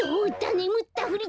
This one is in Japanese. ねむったふりだ！